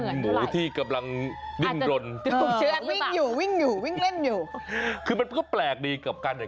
ช่างจินตราการแท้